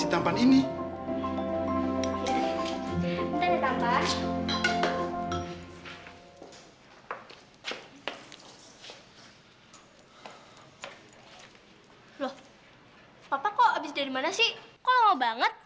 kok lama banget